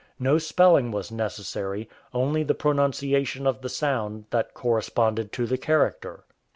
No spelling was necessary, only the pronunciation of the sound that corresponded to the character.